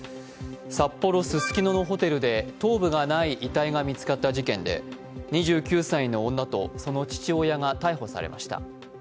札幌・ススキノのホテルで頭部がない遺体が見つかった事件で２９歳の女とその父親が逮捕されました。